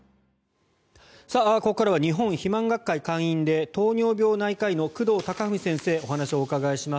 ここからは日本肥満学会会員で糖尿病内科医の工藤孝文先生にお話をお伺いします。